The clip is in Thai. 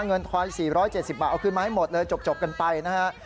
เงินควาย๔๗๐บาทเอาคืนมาให้หมดเลยจบกันไปนะฮะ